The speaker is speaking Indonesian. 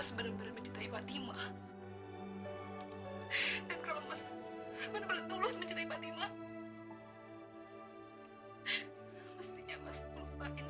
sampai jumpa di video selanjutnya